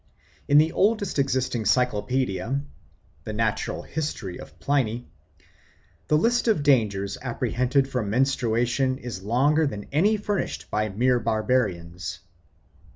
In the oldest existing cyclopaedia the Natural History of Pliny the list of dangers apprehended from menstruation is longer than any furnished by mere barbarians.